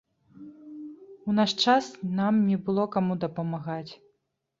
У наш час нам не было каму дапамагаць.